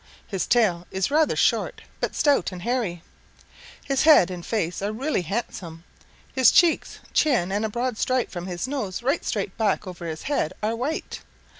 His tail is rather short, but stout and hairy. His head and face are really handsome. His cheeks, chin and a broad stripe from his nose right straight back over his head are white.